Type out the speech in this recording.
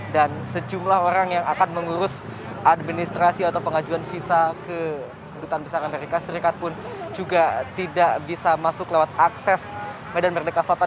dan sejumlah orang yang akan mengurus administrasi atau pengajuan visa ke kebudayaan besaran amerika serikat pun juga tidak bisa masuk lewat akses medan merdeka selatan